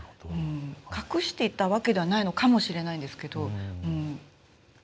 隠していたわけではないかもしれないですけど。